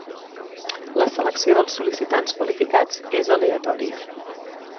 La selecció del sol·licitants qualificats és aleatòria.